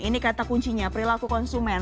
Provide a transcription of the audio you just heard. ini kata kuncinya perilaku konsumen